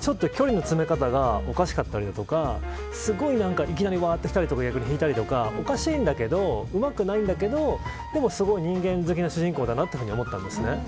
距離の詰め方がおかしかったりとかいきなり、来たりとか逆に逃げたりとかおかしいんだけどうまくないんだけどでもすごく人間的な主人公だと思ったんですね。